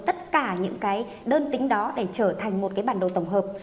tất cả những cái đơn tính đó để trở thành một cái bản đồ tổng hợp